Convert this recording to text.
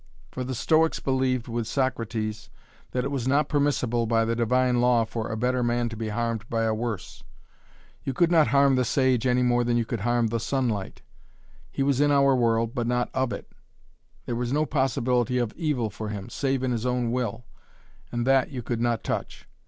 For the Stoics believed with Socrates that it was not permissible by the divine law for a better man to be harmed by a worse. You could not harm the sage any more than you could harm the sunlight; he was in our world, but not of it. There was no possibility of evil for him, save in his own will, and that you could not touch.